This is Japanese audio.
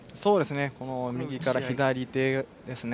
右から左手ですね。